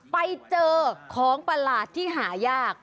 ไปเจอของประหลาดที่หายาก